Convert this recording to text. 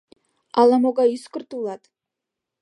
Ала-могай ӱскырт улат!..